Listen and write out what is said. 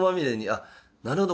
あっなるほど。